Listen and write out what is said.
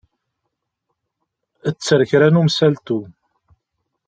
Tter kra n umsaltu.